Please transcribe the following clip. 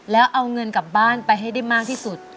แล้วเอาเงินกลับบ้านไปให้ได้มากที่สุด